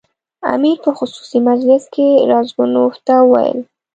امیر په خصوصي مجلس کې راسګونوف ته وویل.